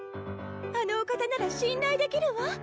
あのお方なら信頼できるわ！